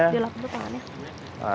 ini dilapiskan tangannya